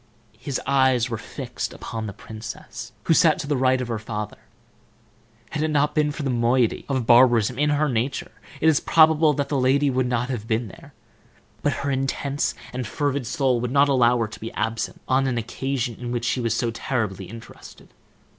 His eyes were fixed upon the princess, who sat to the right of her father. Had it not been for the moiety of barbarism in her nature it is probable that lady would not have been there, but her intense and fervid soul would not allow her to be absent on an occasion in which she was so terribly interested.